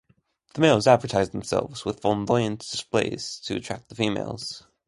The males advertise themselves with flamboyant displays to attract females.